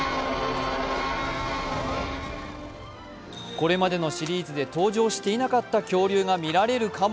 これまでのシリーズで登場していなかった恐竜が見られるかも。